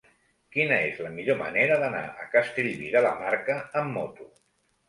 Quina és la millor manera d'anar a Castellví de la Marca amb moto?